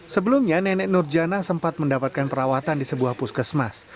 sebelumnya nenek nur jana sempat mendapatkan perawatan di sebuah puskesmas